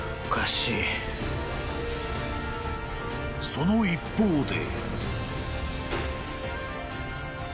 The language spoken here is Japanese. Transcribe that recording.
［その一方で］